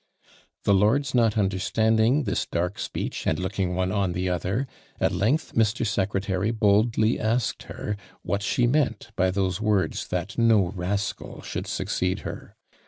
_ "The lords not understanding this dark speech, and looking one on the other; at length Mr. Secretary boldly asked her what she meant by those words, that no rascal should succeed her.